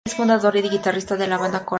Es fundador y guitarrista de la banda Coral.